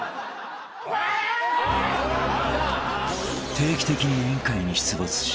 ［定期的に『委員会』に出没し］